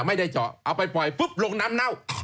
ไม่ได้เจาะเอาไปปล่อยปุ๊บลงน้ำเน่า